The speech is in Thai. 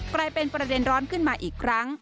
กลายเป็นประเด็นร้อนขึ้นมาอีกครั้ง